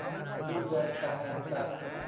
ยุแยงตะแคงแซะ